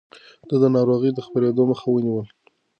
ده د ناروغيو د خپرېدو مخه ونيوله.